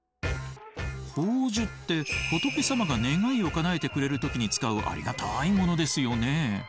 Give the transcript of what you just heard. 宝珠って仏様が願いをかなえてくれる時に使うありがたいものですよね。